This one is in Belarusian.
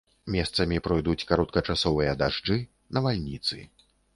Месцамі пройдуць кароткачасовыя дажджы, навальніцы.